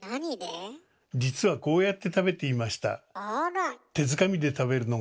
実はこうやって食べていました。